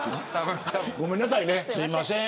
ごめんなさいね。